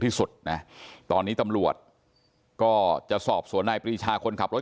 ที่สุดนะตอนนี้ตำรวจก็จะสอบสวนนายปรีชาคนขับรถ